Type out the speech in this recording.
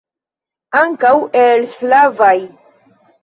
Ankaŭ el slavaj.